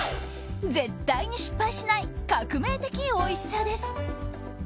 絶対に失敗しない革命的おいしさです。